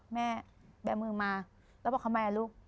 แม่แบงมือมาแล้วบอกว่าคำแม่ลูก